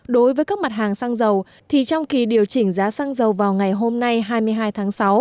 đối với các mặt hàng xăng dầu thì trong kỳ điều chỉnh giá xăng dầu vào ngày hôm nay hai mươi hai tháng sáu